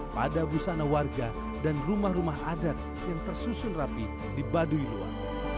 pada busana warga dan rumah rumah adat yang tersusun rapi di baduy luar